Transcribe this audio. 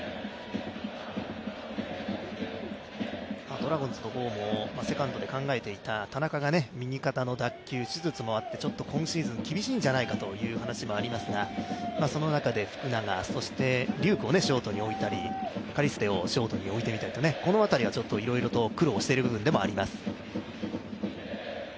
ドラゴンズの方もセカンドで考えていた田中が右肩の脱臼、手術もあって、今シーズン厳しいんじゃないかという話もありますがその中で、福永、そして龍空をショートに置いたりカリステをショートに置いてみたり、この辺りはいろいろと苦労している部分でもあります。